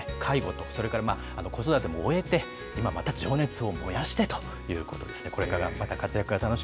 介護と、それから子育ても終えて、今、また情熱を燃やしてということですね。